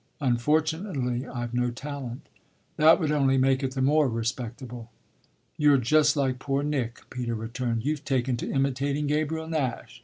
"Unfortunately I've no talent." "That would only make it the more respectable." "You're just like poor Nick," Peter returned "you've taken to imitating Gabriel Nash.